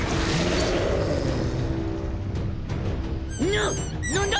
なっ何だ！？